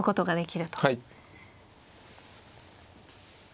はい。